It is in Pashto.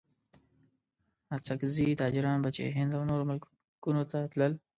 اڅګزي تاجران به چې هند او نورو ملکونو ته تلل.